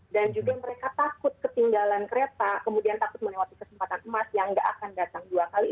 dan juga mereka takut ketinggalan kereta kemudian takut melewati kesempatan emas yang tidak akan datang dua kali